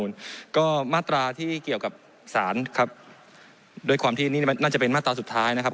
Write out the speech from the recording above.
ก็มาตราที่เกี่ยวกับสารครับด้วยความที่นี่น่าจะเป็นมาตราสุดท้ายนะครับ